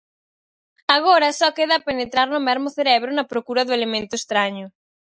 Agora só queda penetrar no mesmo cerebro na procura do elemento estraño.